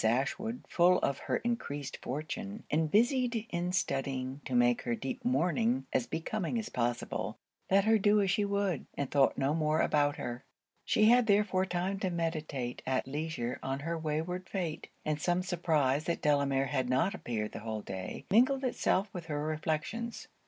Ashwood, full of her increased fortune, and busied in studying to make her deep mourning as becoming as possible, let her do as she would, and thought no more about her. She had therefore time to meditate at leisure on her wayward fate: and some surprise that Delamere had not appeared the whole day, mingled itself with her reflections.